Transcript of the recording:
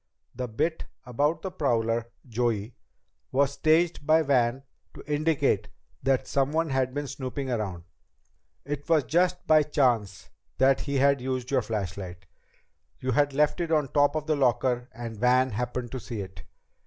The bit about the prowler, Joey, was staged by Van to indicate that someone had been snooping around. It was just by chance that he used your flashlight. You had left it on top of your locker and Van happened to see it."